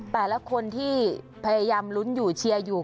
แต่ละคนที่พยายามลุ้นอยู่เชียร์อยู่